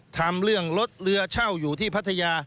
ทำเรื่องรถเรือเช่าอยู่ที่พัทยา